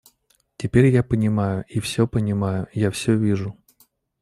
Теперь я понимаю, и всё понимаю, я всё вижу.